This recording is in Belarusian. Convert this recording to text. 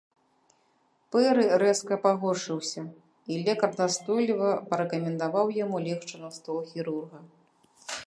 Пэры рэзка пагоршыўся, і лекар настойліва парэкамендаваў яму легчы на стол хірурга.